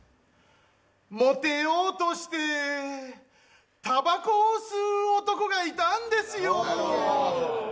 もてようとしてたばこを吸う男がいたんですよ。